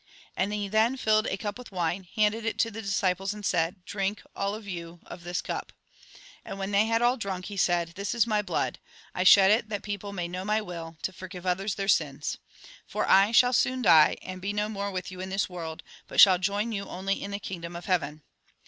And he then filled a cup with wine, handed it to the disciples, and said :" Drink, all of you, of this cup." And when they had all drunk, he said :" This is my blood. I shed it that people may know my will, to forgive others their sins. For I shall soon die, and be no more with you in this world, but shall join you only in the kingdom of heaven.